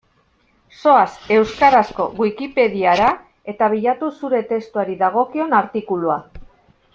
Zoaz euskarazko Wikipediara eta bilatu zure testuari dagokion artikulua.